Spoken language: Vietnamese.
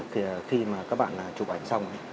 khi mà các bạn chụp ảnh xong